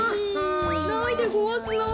ないでごわすな。